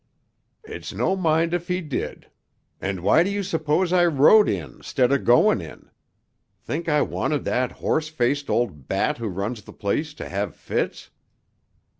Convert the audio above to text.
"It's no mind if he did, and why do you suppose I wrote in 'stead of going in? Think I wanted that horse faced old bat who runs the place to have fits?"